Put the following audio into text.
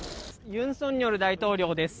ユン・ソンニョル大統領です。